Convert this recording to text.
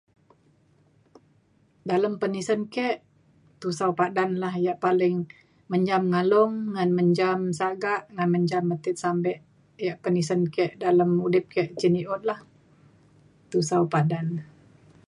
dalem penisen ke' Tusau Padan la ya' paling menjam ngalung ngan menjam sagak ngan menjam metit sampe' ya' penisen ke' dalem udip ke' cen i'iut la. Tusau Padan.